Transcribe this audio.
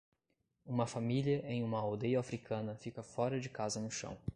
Uma família em uma aldeia africana fica fora de casa no chão.